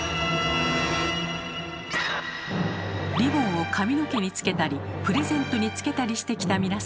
リボンを髪の毛につけたりプレゼントにつけたりしてきた皆さん